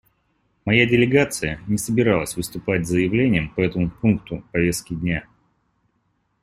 Моя делегация не собиралась выступать с заявлением по этому пункту повестки дня.